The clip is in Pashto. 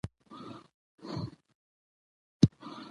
چې ورسره به بل کلي ته تلله